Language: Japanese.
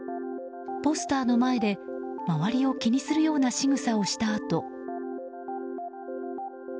ポスターの前で周りを気にするようなしぐさをしたあと。